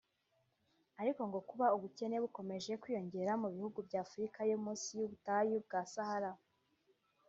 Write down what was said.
Ariko ngo kuba ubukene bukomeje kwiyongera mu bihugu by’Afrika yo munsi y’ubutayu bwa Sahara